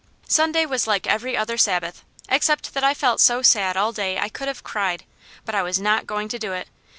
Sunday was like every other Sabbath, except that I felt so sad all day I could have cried, but I was not going to do it.